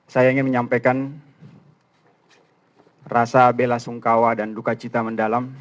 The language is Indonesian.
saya ingin menyampaikan rasa bela sungkawa dan dukacita mendalam